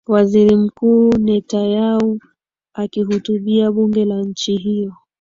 waziri mkuu netanyau akihutibia bunge la nchi hiyo